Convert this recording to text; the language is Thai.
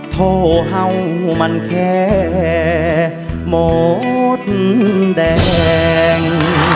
โทรเห่ามันแค่หมดแดง